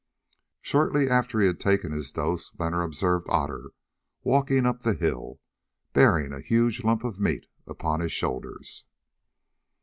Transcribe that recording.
Shortly after he had taken his dose Leonard observed Otter walking up the hill, bearing a huge lump of meat upon his shoulders.